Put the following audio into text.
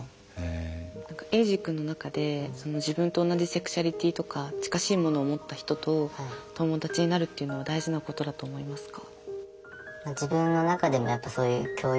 エイジ君の中で自分と同じセクシュアリティーとか近しいものを持った人と友達になるっていうのは大事なことだと思いますか？